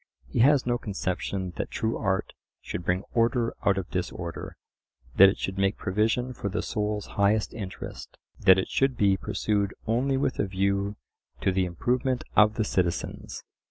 He has no conception that true art should bring order out of disorder; that it should make provision for the soul's highest interest; that it should be pursued only with a view to "the improvement of the citizens."